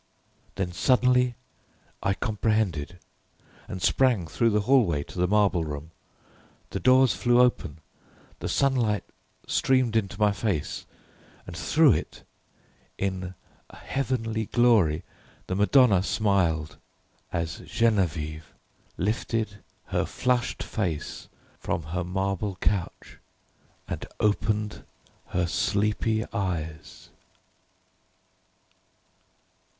Then suddenly I comprehended, and sprang through the hall way to the marble room. The doors flew open, the sunlight streamed into my face, and through it, in a heavenly glory, the Madonna smiled, as Geneviève lifted her flushed face from her marble couch and opened her sleepy eyes.